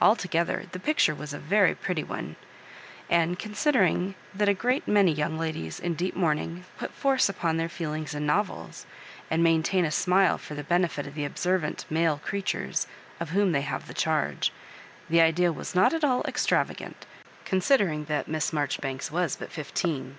Altogether the picture was a very pretty one ; and considering that a great many young ladies in deep mourn ing put force upon their feelings in novels, and maintain a smile for the benefit of the observant male creatures of whom they have the charge, the idea was not at all extravagant, considering that Miss Maijoribanks was but fifteen.